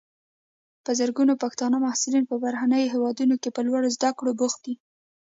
په زرګونو پښتانه محصلین په بهرنیو هیوادونو کې په لوړو زده کړو بوخت دي.